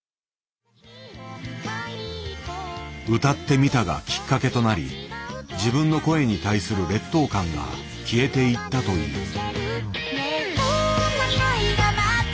「歌ってみた」がきっかけとなり自分の声に対する劣等感が消えていったという。